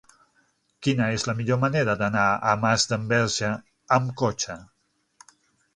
Quina és la millor manera d'anar a Masdenverge amb cotxe?